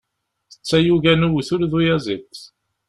D tayuga n uwtul d uyaziḍ.